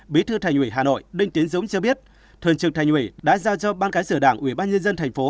bí thư thành ủy hà nội đinh tiến dũng cho biết thượng trưởng thành ủy đã giao cho ban cái sửa đảng ubnd tp